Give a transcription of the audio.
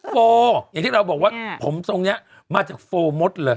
โฟอย่างที่เราบอกว่าผมทรงนี้มาจากโฟลมดเลย